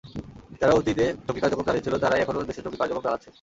যারা অতীতে জঙ্গি কার্যক্রম চালিয়েছিল, তারাই এখনো দেশে জঙ্গি কার্যক্রম চালাচ্ছে।